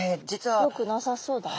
よくなさそうだな。